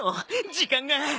時間が。